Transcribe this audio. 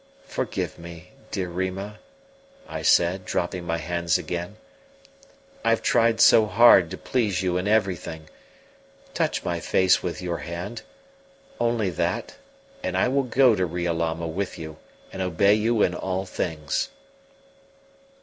"Forgive me, dear Rima," I said, dropping my hands again. "I have tried so hard to please you in everything! Touch my face with your hand only that, and I will go to Riolama with you, and obey you in all things."